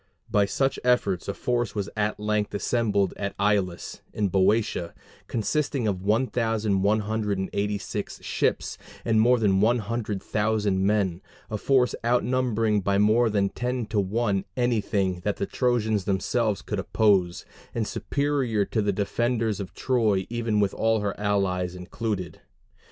By such efforts a force was at length assembled at Aulis in Boeotia, consisting of 1,186 ships and more than one hundred thousand men a force outnumbering by more than ten to one anything that the Trojans themselves could oppose, and superior to the defenders of Troy even with all her allies included.